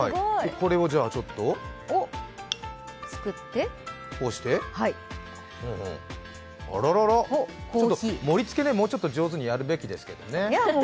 これをこうしてあららら、ちょっと盛り付け上手にやるべきですけどね。